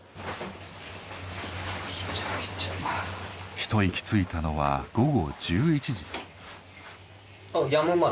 一息ついたのは午後１１時。